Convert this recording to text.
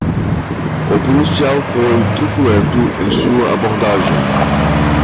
O policial foi truculento em sua abordagem